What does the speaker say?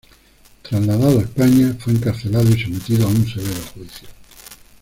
Trasladado a España, fue encarcelado y sometido a un severo juicio.